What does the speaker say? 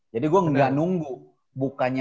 jadi gue gak nunggu bukannya